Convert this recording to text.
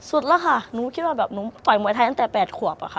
สุดแล้วค่ะหนูคิดว่าแบบหนูต่อยมวยไทยตั้งแต่๘ขวบอะค่ะ